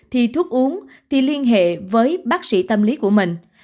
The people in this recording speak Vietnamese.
thì thuốc uống thì liên hệ với bác sĩ tâm lý của mình